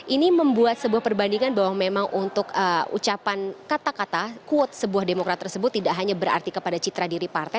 ini membuat sebuah perbandingan bahwa memang untuk ucapan kata kata quote sebuah demokrat tersebut tidak hanya berarti kepada citra diri partai